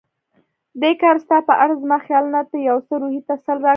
دې کار ستا په اړه زما خیالونو ته یو څه روحي تسل راکړ.